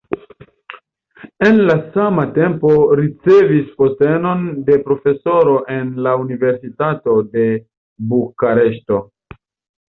En la sama tempo ricevis postenon de profesoro en la universitato de Bukareŝto.